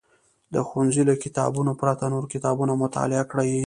د ښوونځي له کتابونو پرته نور کتابونه مطالعه کړي.